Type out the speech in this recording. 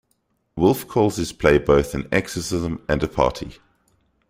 Wolfe calls his play both, 'an exorcism and a party.